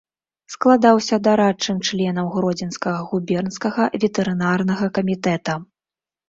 Складаўся дарадчым членам гродзенскага губернскага ветэрынарнага камітэта.